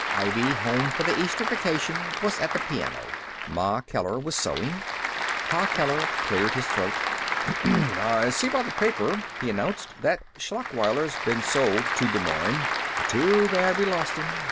Ivy, home for the Easter vacation, was at the piano. Ma Keller was sewing. Pa Keller cleared his throat. "I see by the paper," he announced, "that Schlachweiler's been sold to Des Moines. Too bad we lost him.